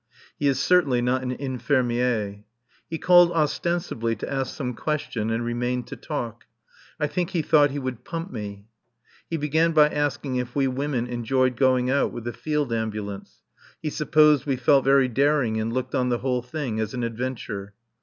He is certainly not an infirmier. He called ostensibly to ask some question and remained to talk. I think he thought he would pump me. He began by asking if we women enjoyed going out with the Field Ambulance; he supposed we felt very daring and looked on the whole thing as an adventure.